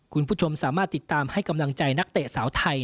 คุณผู้ชมสามารถติดตามให้กำลังใจนักเตะสาวไทย